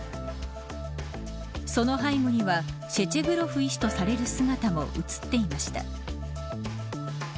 その背後にはシチェグロフ医師とされる姿も写っていました。